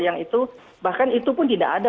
yang itu bahkan itu pun tidak ada